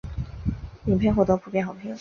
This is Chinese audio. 影片获得普遍好评。